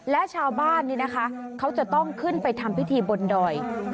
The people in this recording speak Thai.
และชาวบ้านนี่นะคะเขาจะต้องขึ้นไปทำพิธีบนดอย